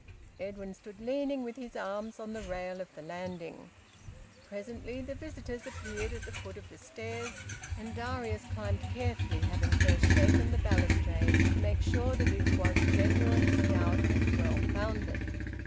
Edwin stood leaning with his arms on the rail of the landing. Presently the visitors appeared at the foot of the stairs, and Darius climbed carefully, having first shaken the balustrade to make sure that it was genuine, stout, and well founded.